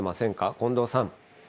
近藤さん。